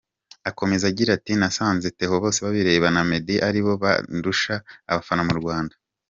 Akomeza agira ati “ Nasanze Theo Bosebabireba na Meddy ari bo bandusha abafana mu Rwanda.